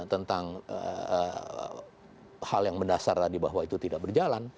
tentang hal yang mendasar tadi bahwa itu tidak berjalan